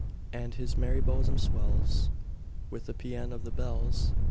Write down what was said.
And his merry bosom swells With the pæan of the bells!